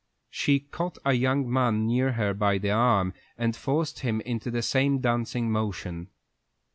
She caught a young man near her by the arm and forced him into the same dancing motion.